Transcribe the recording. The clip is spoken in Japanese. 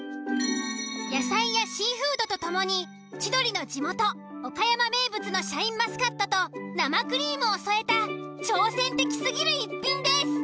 野菜やシーフードと共に千鳥の地元岡山名物のシャインマスカットと生クリームを添えた挑戦的すぎる一品です。